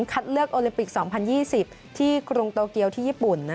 คัดเลือกโอลิมปิก๒๐๒๐ที่กรุงโตเกียวที่ญี่ปุ่น